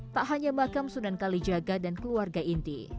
tak hanya makam sunan kalijaga dan keluarga inti